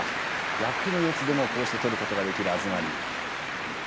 逆の四つでもこうして取ることができます。